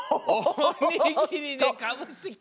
「おにぎり」でかぶしてきた。